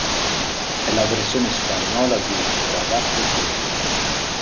È la versione spagnola di "Ragazze che".